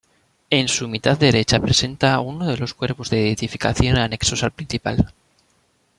En su mitad derecha presenta uno de los cuerpos de edificación anexos al principal.